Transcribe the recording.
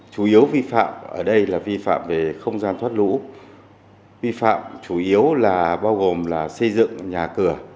chủ yếu vi phạm ở đây là vi phạm về không gian thoát lũ vi phạm chủ yếu là bao gồm là xây dựng nhà cửa